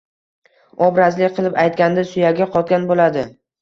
Obrazli qilib aytganda, “suyagi qotgan” boʻladi